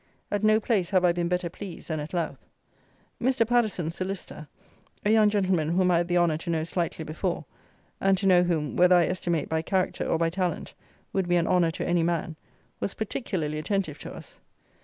At no place have I been better pleased than at Louth. Mr. Paddison, solicitor, a young gentleman whom I had the honour to know slightly before, and to know whom, whether I estimate by character or by talent, would be an honour to any man, was particularly attentive to us.